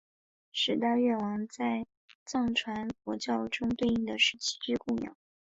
十大愿王在藏传佛教中对应的是七支供养。